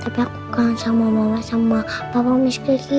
tapi aku kangen sama mama sama papa miss kiki